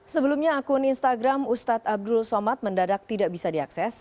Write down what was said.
sebelumnya akun instagram ustadz abdul somad mendadak tidak bisa diakses